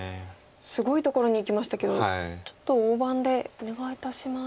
すごいところにいきましたけどちょっと大盤でお願いいたします。